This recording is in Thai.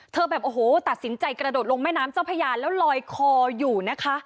แบบโอ้โหตัดสินใจกระโดดลงแม่น้ำเจ้าพญาแล้วลอยคออยู่นะคะ